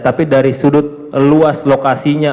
tapi dari sudut luas lokasinya